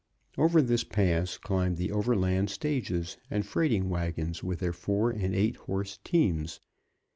Over this pass, climbed the overland stages and freighting wagons with their four and eight horse teams.